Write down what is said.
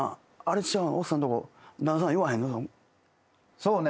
そうね。